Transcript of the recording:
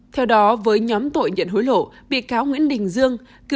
theo đó với nhóm tội nhận hối lộ bị cáo nguyễn đình dương